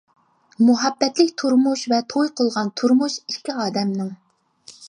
مۇھەببەتلىك تۇرمۇش ۋە توي قىلغان تۇرمۇش ئىككى ئادەمنىڭ.